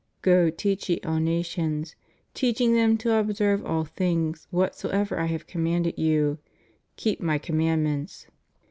Go teach ye all nations ... teaching them to observe all things whatsoever I have commanded you ;^ keep My com mandments.